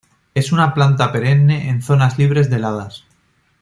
Es una planta perenne en zonas libres de heladas.